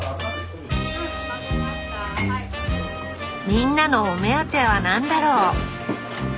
みんなのお目当ては何だろう？